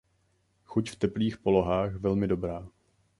Chuť v teplých polohách velmi dobrá.